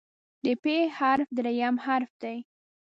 د "پ" حرف دریم حرف دی.